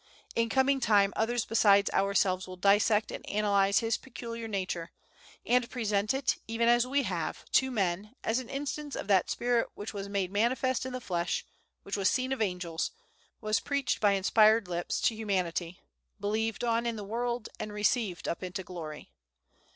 In coming time, others besides ourselves will dissect and analyze his peculiar nature, and present it, even as we have, to men, as an instance of that Spirit which was "made manifest in the flesh, which was seen of angels, was preached by inspired lips to Humanity, believed on in the world, and received up into glory."